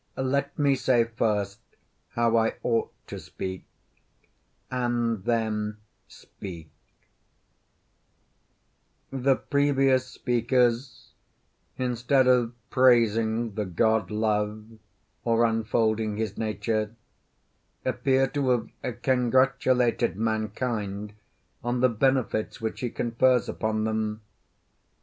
Let me say first how I ought to speak, and then speak: The previous speakers, instead of praising the god Love, or unfolding his nature, appear to have congratulated mankind on the benefits which he confers upon them.